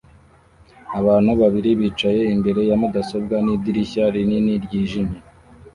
Abantu babiri bicaye imbere ya mudasobwa nidirishya rinini ryijimye